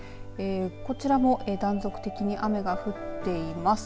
こちらも断続的に雨が降っています。